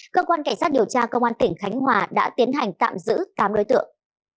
cơ quan cảnh sát điều tra công an tỉnh khánh hòa đã tiến hành tạm giữ tám đối tượng